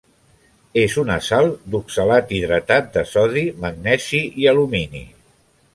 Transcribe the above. És una sal d'oxalat hidratat de sodi, magnesi i alumini.